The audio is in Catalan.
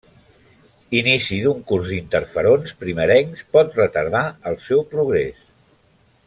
Inici d'un curs d'interferons primerencs pot retardar el seu progrés.